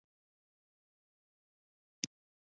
سپي د هیلو نښه ده.